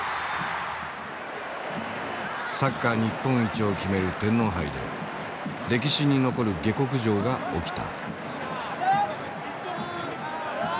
サッカー日本一を決める天皇杯で歴史に残る下克上が起きた。